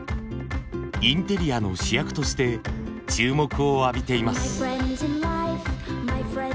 インテリアの主役として注目を浴びています。